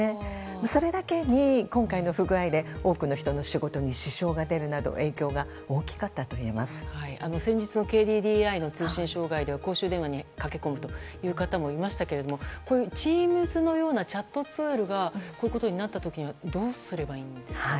それだけに今回の不具合で多くの人の仕事に支障が出るなど影響が先日のＫＤＤＩの通信障害では公衆電話に駆け込む人がいましたがこういうＴｅａｍｓのようなチャットツールがこういうことになった時にはどうすればいいんですか？